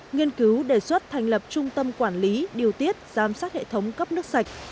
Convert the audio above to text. nghiên cứu đề xuất thành lập trung tâm quản lý điều tiết giám sát hệ thống cấp nước sạch